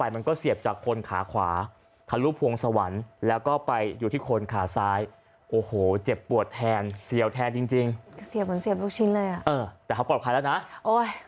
เออเสียบเหมือนเสียบลูกชิ้นเลย